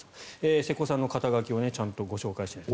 瀬古さんの肩書をちゃんとご紹介していなかった。